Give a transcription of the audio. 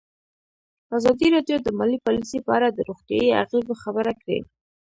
ازادي راډیو د مالي پالیسي په اړه د روغتیایي اغېزو خبره کړې.